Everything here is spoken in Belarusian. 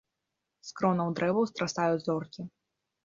З кронаў дрэваў страсаю зоркі.